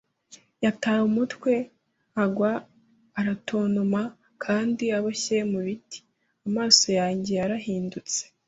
yataye umutwe agwa aratontoma kandi aboshye mu biti. Amaso yanjye yarahindutse